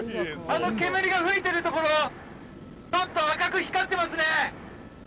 あの煙が噴いてるところちょっと赤く光ってますね